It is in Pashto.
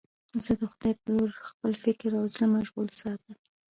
زه د خدای په لور خپل فکر او زړه مشغول ساته.